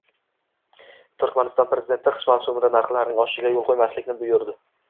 Turkmaniston prezidenti qish mavsumida narxlarning oshishiga yo‘l qo‘ymaslikni buyurdi